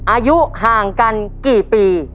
อายุห่างกันกี่ปี